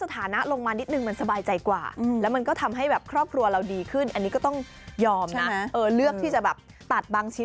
ถ้าเกิดไม่ตัดมันอาจจะเป็นมะเร็งไง